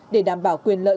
để đảm bảo quyền lợi